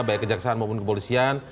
baik kejaksaan maupun kepolisian